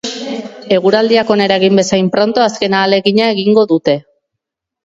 Eguraldiak onera egin bezain pronto azken ahalegina egingo dute.